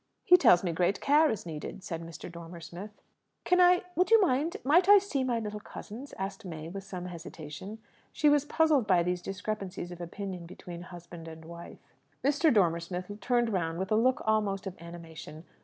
He tells me great care is needed," said Mr. Dormer Smith. "Can I would you mind might I see my little cousins?" asked May, with some hesitation. She was puzzled by these discrepancies of opinion between husband and wife. Mr. Dormer Smith turned round with a look almost of animation.